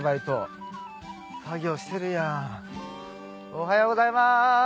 おはようございます。